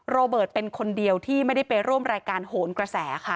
โรเบิร์ตเป็นคนเดียวที่ไม่ได้ไปร่วมรายการโหนกระแสค่ะ